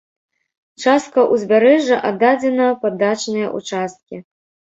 Частка ўзбярэжжа аддадзена пад дачныя ўчасткі.